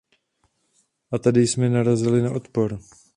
A tady jsme narazili na odpor.